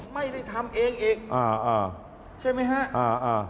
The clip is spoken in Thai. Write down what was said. ไม่ได้ทำเองอีกใช่ไหมฮะ